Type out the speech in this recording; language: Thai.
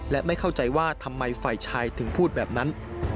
และไม่เข้าใจว่าทำไมฝ่ายชายถึงพูดแบบนั้น